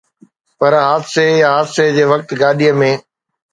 پر حادثي يا حادثي جي وقت گاڏي ۾